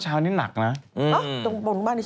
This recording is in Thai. ใช่อันนั้นเขาไม่ได้อุทร